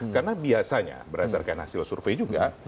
karena biasanya berdasarkan hasil survei juga